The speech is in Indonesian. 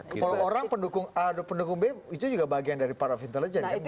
kalau orang pendukung a atau pendukung b itu juga bagian dari para pintelijen ya menurutmu